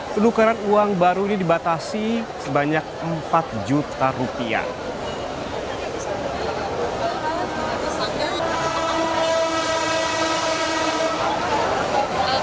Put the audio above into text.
penukaran uang baru ini dibatasi sebanyak empat juta rupiah